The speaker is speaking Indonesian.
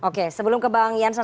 oke sebelum ke bang jansen